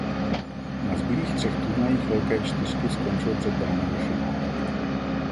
Na zbylých třech turnajích „velké čtyřky“ skončil před branami finále.